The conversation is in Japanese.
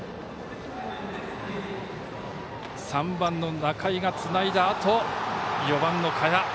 ３番の仲井がつないだあと４番の賀谷。